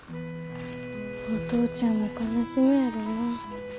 お父ちゃんも悲しむやろなあ。